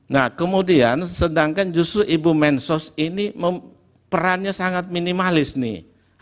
nah kemudian sedangkan justru ibu mensos ini perannya sangat minimalis nih